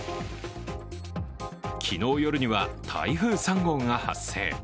昨日夜には、台風３号が発生。